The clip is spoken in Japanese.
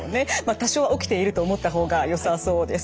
多少は起きていると思った方がよさそうです。